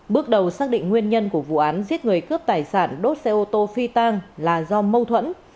bước đầu xác định nguyên nhân của vụ án giết người cướp tài sản đốt xe ô tô phi tang là do mâu thuẫn